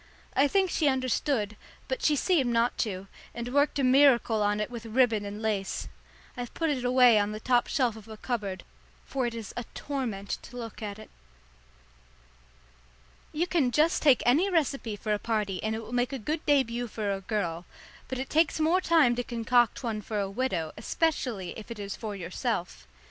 I think she understood, but she seemed not to, and worked a miracle on it with ribbon and lace. I've put it away on the top shelf of a cupboard, for it is a torment to look at it. You can just take any recipe for a party and it will make a good début for a girl, but it takes more time to concoct one for a widow, especially if it is for yourself.